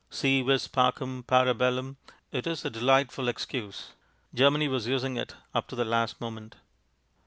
Si vis pacem, para bellum it is a delightful excuse. Germany was using it up to the last moment.